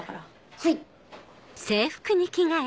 はい。